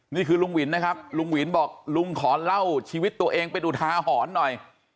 นี่คือลุงหวินนะครับลุงหวินบอกลุงขอเล่าชีวิตตัวเองเป็นอุทาหรณ์หน่อย